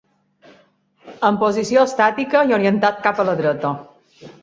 En posició estàtica i orientat cap a la dreta.